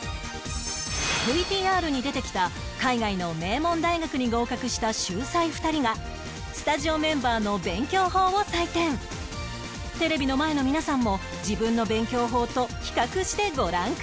ＶＴＲ に出てきた海外の名門大学に合格した秀才２人がテレビの前の皆さんも自分の勉強法と比較してご覧ください